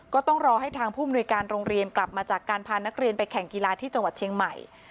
ก็ต้องรอให้ทางผู้มนุยการโรงเรียนกลับมาจากการพานักเรียนไปแข่งกีฬาที่จังหวัดเชียงใหม่